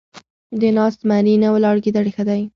د ناست زمري نه ، ولاړ ګيدړ ښه دی.